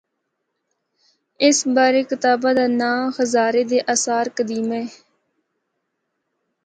اس بارے کتاب دا ناں ’ہزارے دے آثار قدیمہ‘ اے۔